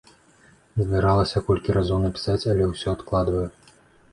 Збіралася колькі разоў напісаць, але ўсё адкладваю.